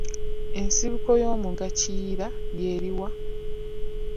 Ensibuko y'omugga Kiyira ye eri wa?